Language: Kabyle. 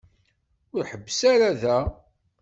Ur ḥebbes ara da.